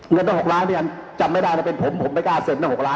เงินต้อง๖ล้านกว่าจำไม่ได้มันเป็นผมผมไม่ฟังเสริมนั้น๖ล้านกว่า